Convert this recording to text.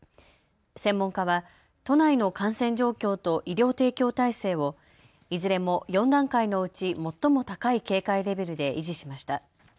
専門家は都内の感染状況と医療提供体制をいずれも４段階のうち最も高い警戒レベルで維持しました。